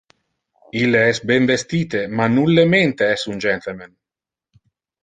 Ille es ben vestite, ma nullemente es un gentleman.